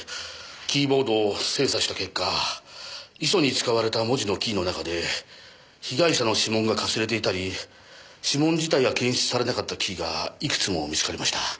キーボードを精査した結果遺書に使われた文字のキーの中で被害者の指紋がかすれていたり指紋自体が検出されなかったキーがいくつも見つかりました。